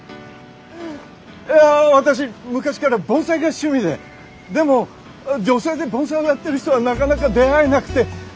いや私昔から盆栽が趣味ででも女性で盆栽をやってる人はなかなか出会えなくて。